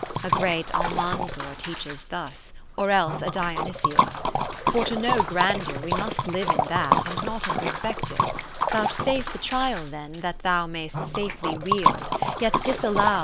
A great Almanzor teaches thus, Or else a Dionysius. 50 For to know Grandeur we must live In that, and not in perspective ; Vouchsafe the trial then, that thou Mayst safely wield, yet disallow ^ Chorals